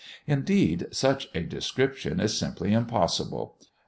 Indeed, such a description is simply impossible.